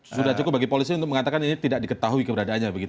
sudah cukup bagi polisi untuk mengatakan ini tidak diketahui keberadaannya